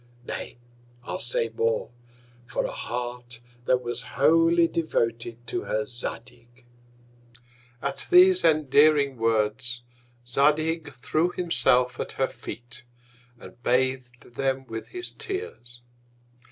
Nay, I'll say more, for a Heart that was wholly devoted to her Zadig! At these endearing Words, Zadig threw himself at her Feet, and bath'd them with his Tears.